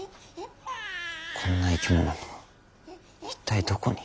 こんな生き物一体どこに。